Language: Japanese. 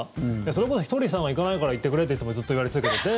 それこそひとりさんが行かないから行ってくれっていつも、ずっと言われ続けてて。